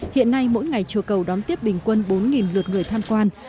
hiện nay mỗi ngày chùa cầu đón tiếp bình quân bốn lượt người tham quan